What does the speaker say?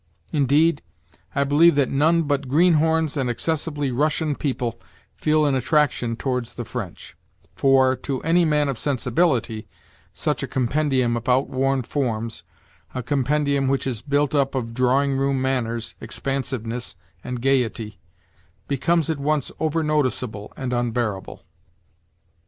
Indeed, I believe that none but greenhorns and excessively Russian people feel an attraction towards the French; for, to any man of sensibility, such a compendium of outworn forms—a compendium which is built up of drawing room manners, expansiveness, and gaiety—becomes at once over noticeable and unbearable.